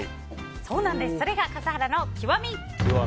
それが笠原の極み。